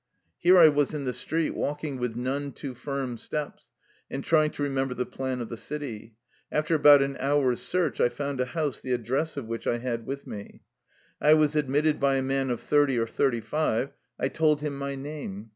Here I was in the street, walking with none too firm steps and trying to remember the plan of the city. After about an hour's search I found a house the address of which I had with me. I was admitted by a man of thirty or thirty five. I told him my name.